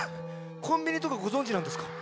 コンビニとかごぞんじなんですか？